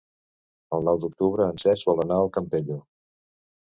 El nou d'octubre en Cesc vol anar al Campello.